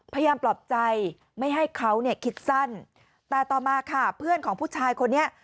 พยายามปลอบใจไม่ให้เขาเนี่ยคิดสั้นแต่ต่อมาค่ะเพื่อนของผู้ชายคนนี้